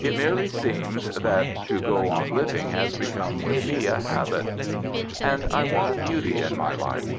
It merely seems that to go on living has become with me a habit.... And I want beauty in my life.